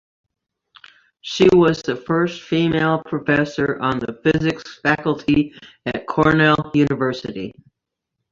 She was the first female professor on the physics faculty at Cornell University.